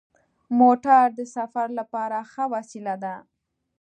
موټر د سفر لپاره ښه وسیله ده.